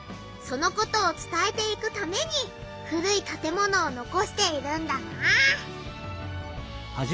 そのことを伝えていくために古い建物を残しているんだな。